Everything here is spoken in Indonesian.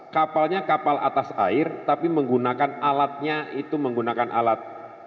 kapalnya kapal atas air tapi menggunakan alatnya itu menggunakan alat